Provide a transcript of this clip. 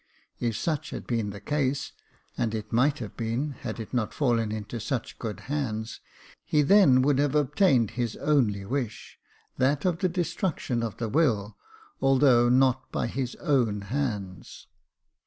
If such had been the case, and it might have been, had it not fallen into such good hands, he then would have obtained his only wish, that of the destruction of the will, although not by his own hands.